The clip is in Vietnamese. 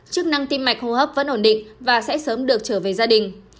chức năng tim mạch hô hấp vẫn ổn định và sẽ sớm được trở về gia đình